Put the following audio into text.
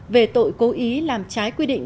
về tội cố ý làm trái quy định